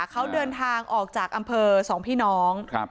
เขาเดินทางออกจากอำเภอสองพี่น้อง